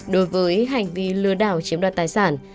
đối với hành vi lừa đảo chiếm đoạt tài sản